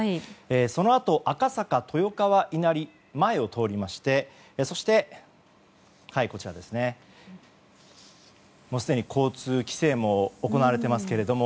そのあと赤坂豊川稲荷前を通りましてそして、すでに交通規制も行われていますけれども。